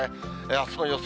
あすの予想